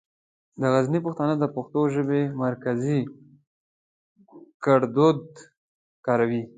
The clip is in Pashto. د غزني پښتانه د پښتو ژبې مرکزي ګړدود کاروي.